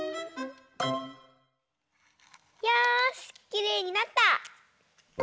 きれいになった！